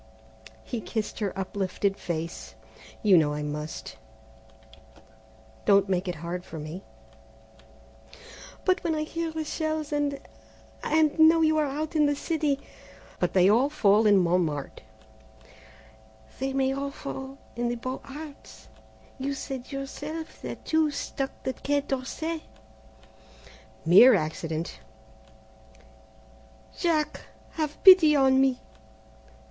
He kissed her uplifted face; "You know I must; don't make it hard for me." "But when I hear the shells and and know you are out in the city " "But they all fall in Montmartre " "They may all fall in the Beaux Arts; you said yourself that two struck the Quai d'Orsay " "Mere accident " "Jack, have pity on me!